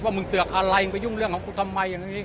ว่ามึงเสือกอะไรไปยุ่งเรื่องของคุณทำไม